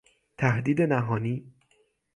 تهدید نهانی